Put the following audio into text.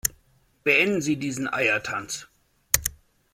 Beenden Sie diesen Eiertanz!